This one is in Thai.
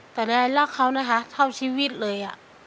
แต่นายรักเขานะคะเท่าชีวิตเลย